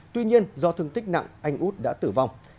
tuy nhiên do thương tích nặng anh út đã tử vong